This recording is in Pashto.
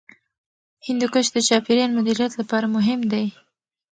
هندوکش د چاپیریال مدیریت لپاره مهم دی.